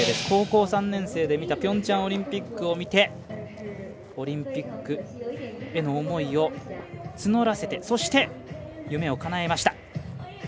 高校３年生で見たピョンチャンオリンピックを見てオリンピックへの思いを募らせてそして、夢をかなえました。